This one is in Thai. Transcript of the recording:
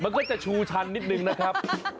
มันก็จะชูชันนิดนึงนะครับ